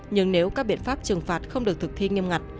nhưng nếu các biện pháp trừng phạt không được thực thi nghiêm ngặt